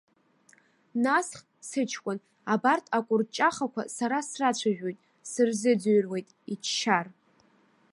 Насх, сыҷкәын, абарҭ аҟәырҷахақәа сара срацәажәоит, сырзыӡырҩуеит, иччар.